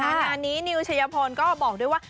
งานนี้นิวชัยพลก็บอกด้วยว่า